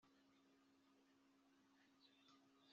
bigaragara ko ari umucuranzi